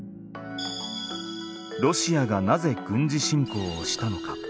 ロシアがなぜ軍事侵攻をしたのか？